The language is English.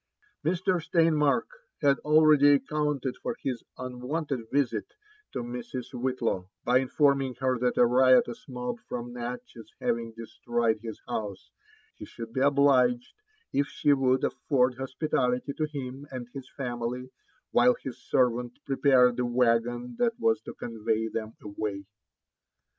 Mr. Steinmark had already accounted for his unwonted visit to Mrs. Whitlaw, by informing her that a riotous mob from Natchez having destroyed bis house, be should foe obliged if she would afford hospitality to him and his family while his servant prepared the waggon that was to convey them away.